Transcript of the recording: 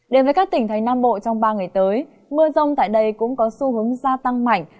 đến với các tỉnh thành nam bộ trong ba ngày tới mưa rông tại đây cũng có xu hướng gia tăng mạnh